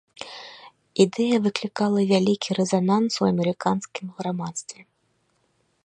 Ідэя выклікала вялікі рэзананс у амерыканскім грамадстве.